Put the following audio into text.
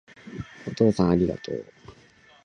お父さんありがとう